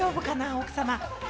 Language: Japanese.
奥様。